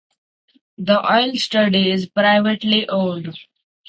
The oil study is privately owned.